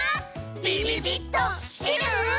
ビビビっときてる？